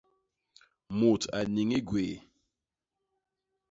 Mut a niñi gwéé.